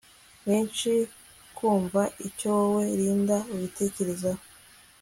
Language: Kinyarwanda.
menshi kumva icyo wowe Linda ubitekerezaho